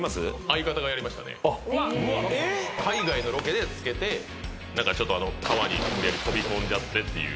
海外のロケでつけて川に飛び込んじゃって。